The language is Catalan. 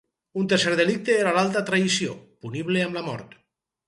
Un tercer delicte era l'alta traïció, punible amb la mort.